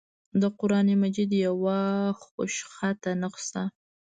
دَقرآن مجيد يوه خوشخطه نسخه